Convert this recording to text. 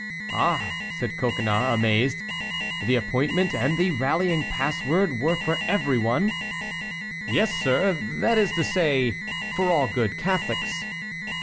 "Ah," said Coconnas, amazed, "the appointment and the rallying pass word were for every one?" "Yes, sir,—that is to say, for all good Catholics."